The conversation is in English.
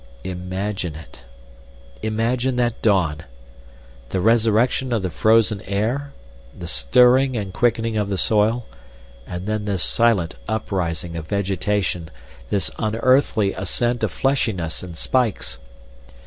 Imagine it! Imagine that dawn! The resurrection of the frozen air, the stirring and quickening of the soil, and then this silent uprising of vegetation, this unearthly ascent of fleshiness and spikes.